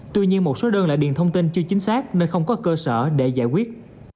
tuy nhiên một số đơn lại điền thông tin chưa chính xác nên không có cơ sở để giải quyết